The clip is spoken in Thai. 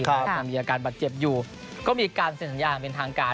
ก็มีอาการบาดเจ็บอยู่ก็มีการเสียงสัญญาณเป็นทางการ